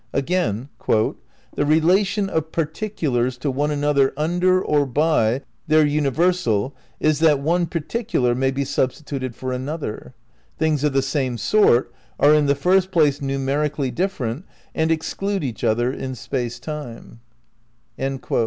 Again : "the relation of particulars to one another under or by their universal is that one particular may be substituted for another." ... "Things of the same sort are in the first place numerically dif ferent and exclude each other in space time." '^ Space, Time and Deity, Vol.